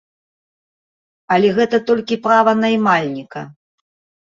Але гэта толькі права наймальніка!